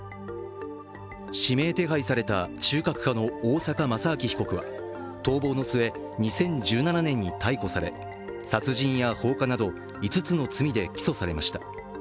指名手配された中核派の大坂正明被告は逃亡の末、２０１７年に逮捕され殺人や放火など５つの罪で起訴されました。